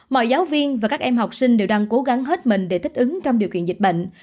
mọi giáo viên và các em học sinh đều đang cố gắng hết mình để thích ứng trong điều kiện dịch bệnh